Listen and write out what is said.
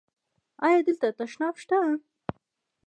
ایا دلته تشناب شته؟